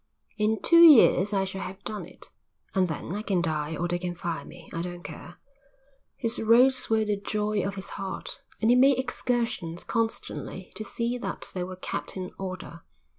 "In two years I shall have done it, and then I can die or they can fire me, I don't care." His roads were the joy of his heart and he made excursions constantly to see that they were kept in order.